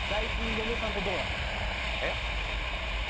嫁さんとどうなのよ？